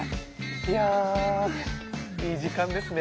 いやいい時間ですね。